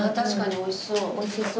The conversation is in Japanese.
おいしそう。